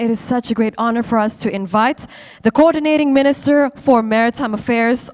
ini adalah kehormatan yang sangat bagus untuk kami mengundang